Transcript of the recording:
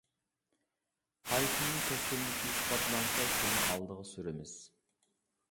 قايسىنىڭ كەسكىنلىكى ئىسپاتلانسا، شۇنى ئالدىغا سۈرىمىز.